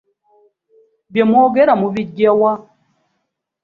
Bye mwogera mubiggya wa?